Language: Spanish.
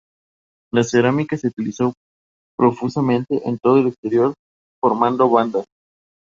La cerámica se utilizó profusamente en todo el exterior formando bandas.